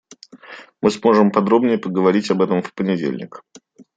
Мы сможем подробнее поговорить об этом в понедельник.